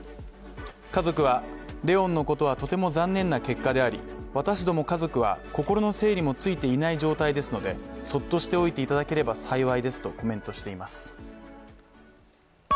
家族は、怜音のことはとても残念な結果であり私ども家族は心の整理もついていない状態ですのでそっとしておいていただければ幸いですとコメントしています。